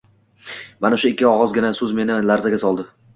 Mana shu ikki og`izgina so`z meni larzaga soldi